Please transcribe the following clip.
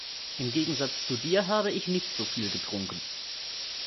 Im Gegensatz zu dir habe ich nicht so viel getrunkten.